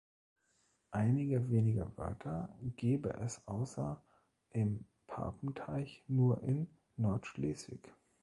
Einige wenige Wörter gebe es außer im Papenteich nur in Nordschleswig.